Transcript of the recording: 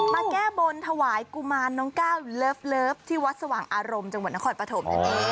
แก้บนถวายกุมารน้องก้าวเลิฟที่วัดสว่างอารมณ์จังหวัดนครปฐมนั่นเอง